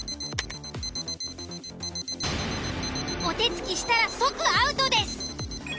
お手付きしたら即アウトです。